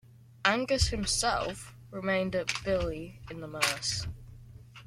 Angus himself remained at Billie in the Merse.